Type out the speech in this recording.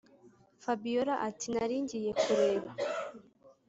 fabiora ati”naringiye kureba